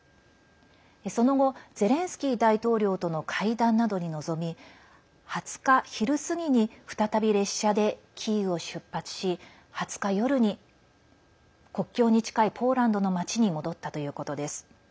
その後、ゼレンスキー大統領との会談などに臨み２０日昼過ぎに再び列車でキーウを出発し２０日夜に国境に近いポーランドの町に戻ったということです。